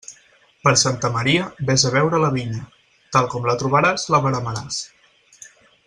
Per Santa Maria, vés a veure la vinya; tal com la trobaràs la veremaràs.